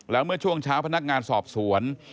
แล้วเมื่อช่วงเช้าพนักงานสอบสวน